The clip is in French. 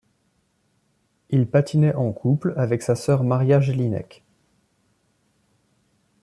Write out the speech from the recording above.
Il patinait en couple avec sa sœur Maria Jelinek.